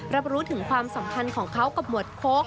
รับรู้ถึงความสัมพันธ์ของเขากับหมวดโค้ก